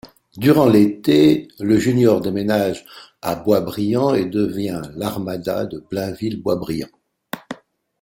Durant l'été, le Junior déménage à Boisbriand et devient l'Armada de Blainville-Boisbriand.